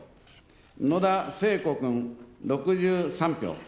野田聖子君、６３票。